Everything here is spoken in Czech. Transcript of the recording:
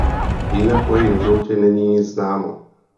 Jinak o jejím životě není nic známo.